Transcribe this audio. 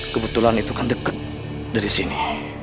kebetulan itu kan dekat dari sini